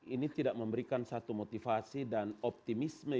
ini tidak memberikan satu motivasi dan optimisme